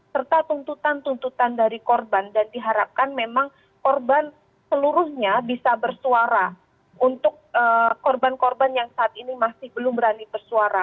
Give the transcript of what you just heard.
serta tuntutan tuntutan dari korban dan diharapkan memang korban seluruhnya bisa bersuara untuk korban korban yang saat ini masih belum berani bersuara